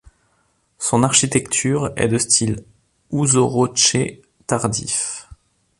Son architecture est de style ouzorotché tardif.